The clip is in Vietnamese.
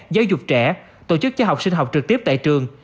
giáo dục trẻ tổ chức cho học sinh học trực tiếp tại trường